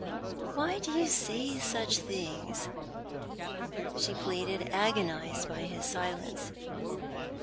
"Why do you fay such things?" she pleaded, agonised by his silence.